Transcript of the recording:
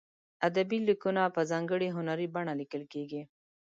ادبي لیکونه په ځانګړې هنري بڼه لیکل کیږي.